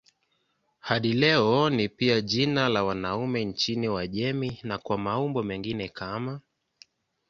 Hadi leo ni pia jina la wanaume nchini Uajemi na kwa maumbo mengine kama